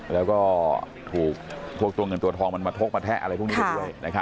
แล้วก็ถูกทวงเงินตัวทองมาทกมาแทะอะไรพวกนี้ได้ด้วย